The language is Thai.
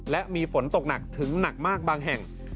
และมีฝนตกหนักถึงหนักมากบางแห่ง